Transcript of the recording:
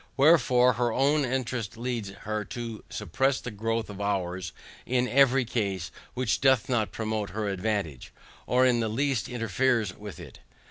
Wherefore, her own interest leads her to suppress the growth of OURS in every case which doth not promote her advantage, or in the least interferes with it.